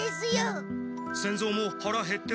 仙蔵もはらへってるのか？